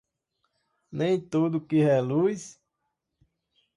Nem tudo o que reluz